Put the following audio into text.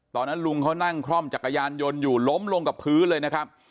ตอนนั้นลุงเขานั่งคล่อมจักรยานยนต์อยู่ล้มลงกับพื้นเลยนะครับ